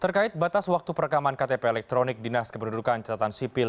terkait batas waktu perekaman ktp elektronik dinas kependudukan catatan sipil